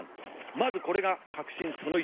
まずこれが確信その１。